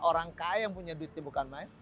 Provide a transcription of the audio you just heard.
orang kaya yang punya duitnya bukan main